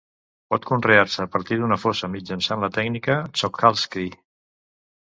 Pot conrear-se a partir d'una fosa mitjançant la tècnica Czochralski.